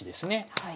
はい。